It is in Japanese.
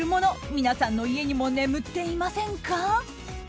皆さんの家にも眠っていませんか？